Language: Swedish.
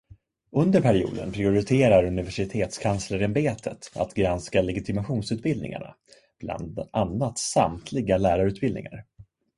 Under perioden prioriterar Universitetskanslerämbetet att granska legitimationsutbildningarna, bland annat samtliga lärarutbildningar.